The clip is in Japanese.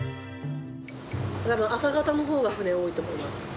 たぶん、朝方のほうが船多いと思います。